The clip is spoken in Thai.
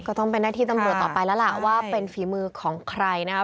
ก็ต้องเป็นหน้าที่ตำรวจต่อไปแล้วล่ะว่าเป็นฝีมือของใครนะครับ